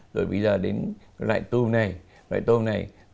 rồi bây giờ đến loại tôm này